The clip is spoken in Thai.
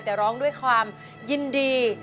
แต่ร้องด้วยความยินดี